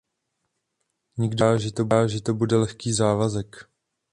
Nikdo neříká, že to bude lehký závazek.